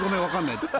分かんない。